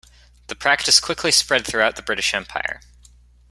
The practice quickly spread throughout the British Empire.